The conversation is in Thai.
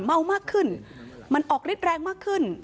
เมามากขึ้นมันออกฤทธิแรงมากขึ้น